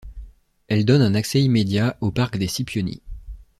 Elle donne un accès immédiat au Parc des Scipioni.